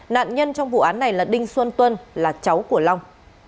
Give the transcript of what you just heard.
nạn nhân trong vụ án này là đinh xuân tuân là cháu của long